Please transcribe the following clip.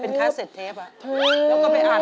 เป็นคาร์เซ็ตเทปแล้วก็ไปอัด